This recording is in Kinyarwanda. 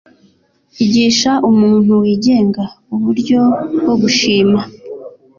Igisha umuntu wigenga uburyo bwo gushima.